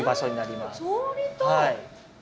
はい。